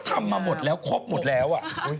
ทำมาหมดแล้วครบหมดแล้ว